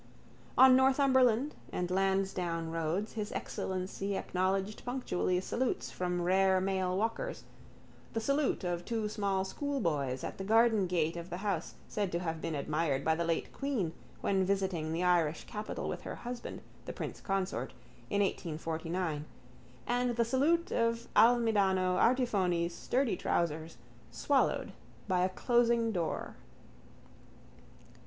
On Northumberland and Lansdowne roads His Excellency acknowledged punctually salutes from rare male walkers, the salute of two small schoolboys at the garden gate of the house said to have been admired by the late queen when visiting the Irish capital with her husband, the prince consort, in 1849 and the salute of Almidano Artifoni's sturdy trousers swallowed by a closing door.